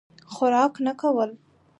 خوراک نه کول.